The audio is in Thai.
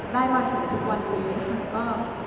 ได้มาถึงทุกวันนี้ค่ะ